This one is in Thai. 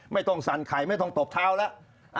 ไม่ต้องสั่นไข่ไม่ต้องตบเท้าล่ะ